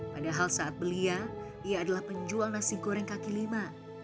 padahal saat belia ia adalah penjual nasi goreng kaki lima